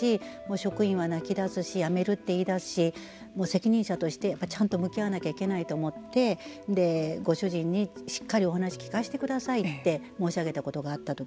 職員は泣き出すしやめると言いだすし責任者としてちゃんと向き合わなきゃいけないと思ってご主人にしっかりお話を聞かせてくださいって申し上げたことがあったと。